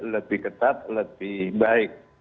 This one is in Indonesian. lebih ketat lebih baik